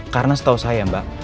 karena setahu saya mbak